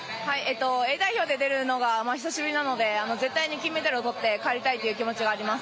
Ａ代表で出るのが久しぶりなので絶対に金メダルをとって帰りたいという気持ちがあります。